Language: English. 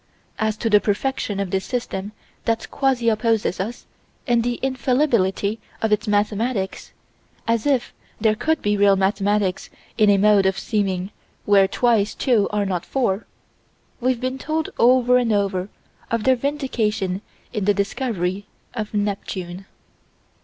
As to the perfection of this System that quasi opposes us and the infallibility of its mathematics as if there could be real mathematics in a mode of seeming where twice two are not four we've been told over and over of their vindication in the discovery of Neptune.